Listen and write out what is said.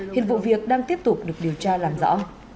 hiện vụ việc đang tiếp tục được điều tra làm rõ